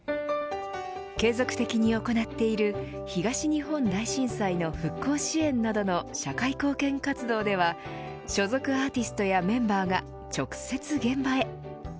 継続的に行っている東日本大震災の復興支援などの社会貢献活動では所属アーティストやメンバーが直接、現場へ。